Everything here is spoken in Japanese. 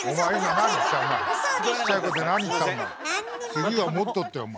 「次はもっと」ってお前。